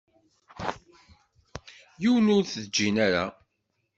Yiwen ur t-ǧǧin ara.